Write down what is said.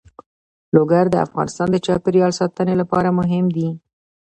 لوگر د افغانستان د چاپیریال ساتنې لپاره مهم دي.